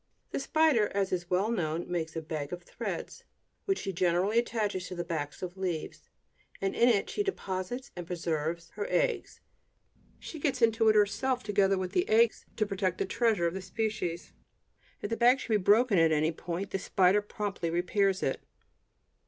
The spider, as is well known, makes a bag of threads, which she generally attaches to the backs of leaves, and in it she deposits and preserves her eggs; she gets into it herself together with the eggs, to protect the treasure of the species. If the bag should be broken at any point, the spider promptly repairs it.